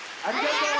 ありがとう！